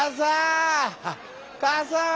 かさ！